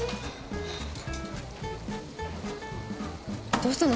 どうしたの？